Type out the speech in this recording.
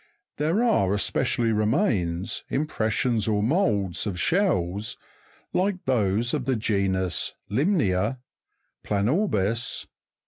These are especially remains, impressions, or moulds of shells, like those of the genus limne'a (Jig 227), planor'bis (Jig.